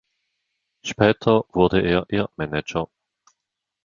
Später wurde er ihr Manager.